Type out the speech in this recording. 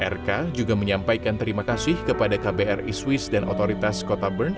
rk juga menyampaikan terima kasih kepada kbri swiss dan otoritas kota bern